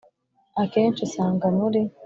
Akenshi usanga muri